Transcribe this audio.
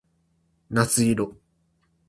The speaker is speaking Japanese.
夏色